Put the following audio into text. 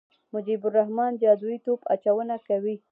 مجيب الرحمن جادويي توپ اچونه کوي.